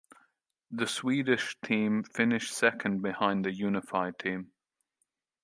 The Swedish team finished second behind the Unified Team.